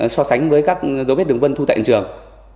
so sánh với các dấu vết đường vân thu tại hiện trường